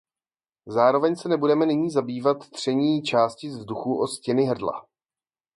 Zároveň se nebudeme nyní zabývat tření částic vzduchu o stěny hrdla.